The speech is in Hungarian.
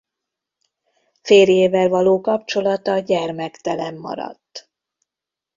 Férjével való kapcsolata gyermektelen maradt.